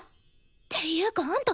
ていうかあんた